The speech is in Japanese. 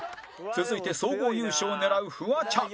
続いて総合優勝を狙うフワちゃん